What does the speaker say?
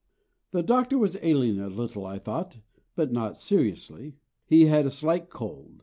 The Doctor was ailing a little, I thought, but not seriously. He had a slight cold.